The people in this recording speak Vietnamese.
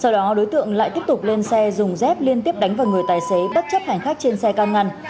sau đó đối tượng lại tiếp tục lên xe dùng dép liên tiếp đánh vào người tài xế bất chấp hành khách trên xe cao ngăn